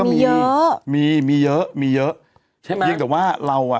มียังมีเยอะมียะมีเยอะใช่ไหมเพียงแต่ว่าเราอ่ะ